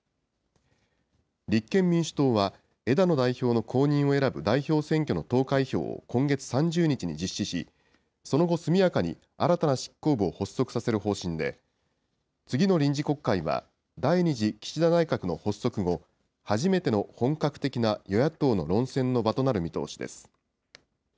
立憲民主党は、枝野代表の後任を選ぶ代表選挙の投開票を今月３０日に実施し、その後、速やかに新たな執行部を発足させる方針で、次の臨時国会は第２次岸田内閣の発足後、初めての本格的な与野党の論戦の場となる見通しです。